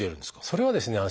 それはですね